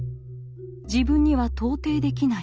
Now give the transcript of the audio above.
自分には到底できない。